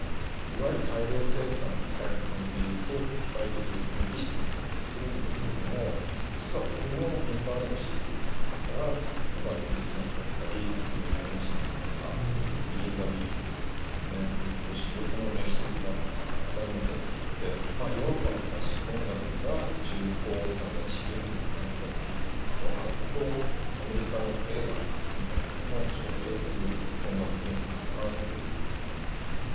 いわゆる大量生産みたいな感じで言うと機械的で無機質な感じがするんですけれども実はこのティン・パン・アレーのシステムの中から「ＷｈｉｔｅＣｈｒｉｓｔｍａｓ」だったり「煙が目にしみる」とか「ビギン・ザ・ビギン」とかですねああいう珠玉の名曲がたくさん残っていてヨーロッパのクラシック音楽が重厚さでシリアスな感じがするとあるとアメリカのエレガンスみたいなものを象徴する音楽文化だなというふうに思います。